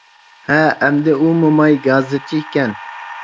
ھە ئەمدى ئۇ موماي گازىرچى ئىكەن.